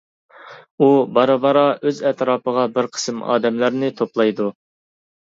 ئۇ بارا-بارا ئۆز ئەتراپىغا بىر قىسىم ئادەملەرنى توپلايدۇ.